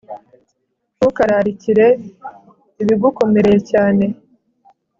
ntukararikire ibigukomereye cyane